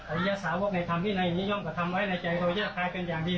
ไอ้เยษาวกในธรรมที่ในนี้ย่อมกระทำไว้ในใจโรยภายเป็นอย่างดี